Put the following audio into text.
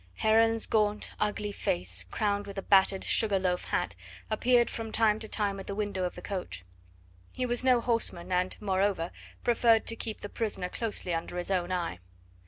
Heron's gaunt, ugly face, crowned with a battered, sugar loaf hat, appeared from time to time at the window of the coach. He was no horseman, and, moreover, preferred to keep the prisoner closely under his own eye.